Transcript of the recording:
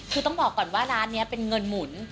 คือต้องบอกก่อนว่าร้านนี้เป็นเงินหมุน